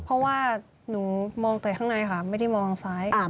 เพราะว่าหนูมองแต่ข้างในค่ะไม่ได้มองซ้าย